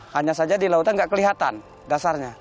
hanya saja di lautan tidak kelihatan dasarnya